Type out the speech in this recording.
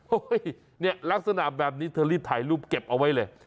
เนี่ยลักษณะแบบนี้เธอรีบถ่ายรูปเก็บเอาไว้เลย